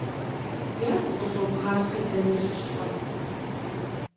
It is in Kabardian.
- Ягу къыщӀобгъэр сэ дэнэ щысщӀэн?